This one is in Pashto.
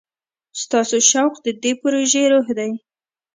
ستاسو شوق د دې پروژې روح دی.